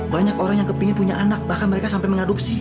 banyak orang yang kepingin punya anak bahkan mereka sampai mengadopsi